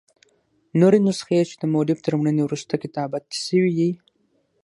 نوري نسخې، چي دمؤلف تر مړیني وروسته کتابت سوي يي.